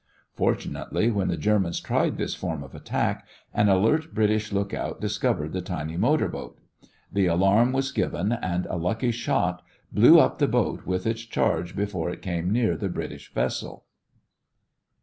Fortunately, when the Germans tried this form of attack, an alert British lookout discovered the tiny motor boat. The alarm was given and a lucky shot blew up the boat with its charge before it came near the British vessel.